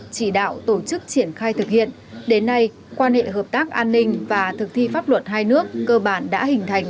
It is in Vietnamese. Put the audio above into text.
sức triển khai thực hiện đến nay quan hệ hợp tác an ninh và thực thi pháp luật hai nước cơ bản đã hình thành